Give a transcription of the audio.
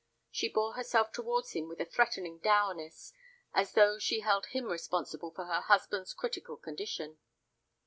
She bore herself towards him with a threatening dourness, as though she held him responsible for her husband's critical condition.